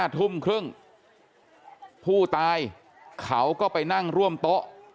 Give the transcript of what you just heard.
ทุ่มครึ่งผู้ตายเขาก็ไปนั่งร่วมโต๊ะ